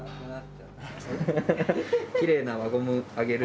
きれいな輪ゴムあげる。